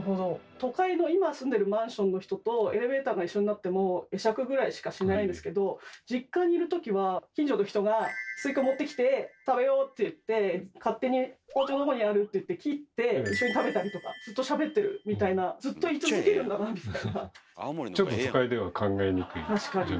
都会の今住んでるマンションの人とエレベーターが一緒になっても会釈ぐらいしかしないですけど実家にいるときは近所の人がスイカ持ってきて「食べよう」って言って勝手に「包丁どこにある？」って言って切って一緒に食べたりとかずっとしゃべってるみたいなずっと居続けるんだなみたいな。